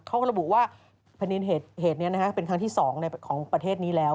เขาก็ระบุว่าเหตุนี้เป็นครั้งที่๒ของประเทศนี้แล้ว